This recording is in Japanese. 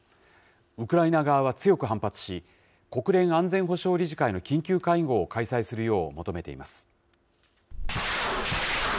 ウクライナ側は強く反発し、国連安全保障理事会の緊急会合を開催するよう求めています。